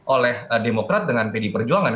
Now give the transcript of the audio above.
oleh demokrat dengan pdi perjuangan